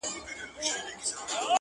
وړي لمبه پر سر چي شپه روښانه کړي؛